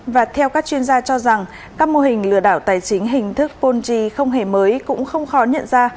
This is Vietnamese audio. và theo các chuyên gia cho rằng các mô hình lừa đảo tài chính hình thức ponzi không hề mới cũng không khó nhận ra